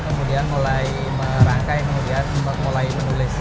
kemudian mulai merangkai kemudian mulai menulis